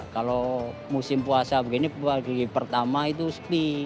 kalau musim puasa begini pertama itu sepi